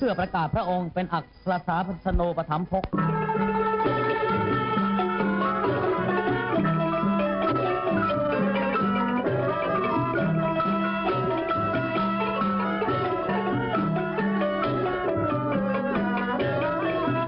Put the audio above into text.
จบแล้วตรงโปรดอกพี่กุญเงินพี่กุญทองท่านราชธานแด่พระบรมวงศานุวงศ์